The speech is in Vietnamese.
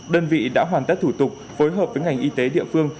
đơn vị đã hoàn tất thủ tục phối hợp với ngành y tế địa phương